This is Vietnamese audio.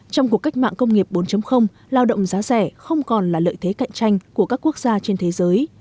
trong cuộc cách mạng công nghiệp bốn lao động giá rẻ không còn là lợi thế cạnh tranh của các quốc gia trên thế giới